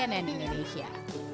tim liputan tv indonesia